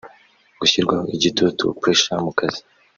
gushyirwaho igitutu (Pressure)mu kazi